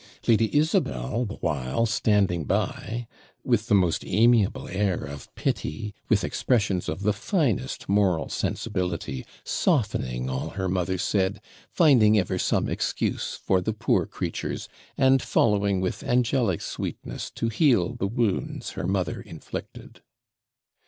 Lady Isabel the while standing by, with the most amiable air of pity, with expressions of the finest moral sensibility, softening all her mother said, finding ever some excuse for the poor creatures, and following with angelic sweetness to heal the wounds her mother inflicted.